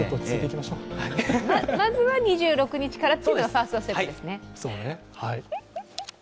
まずは２６日からっていうのがファーストステップですね。